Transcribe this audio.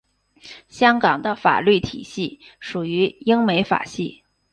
香港的法律体系属于英美法系。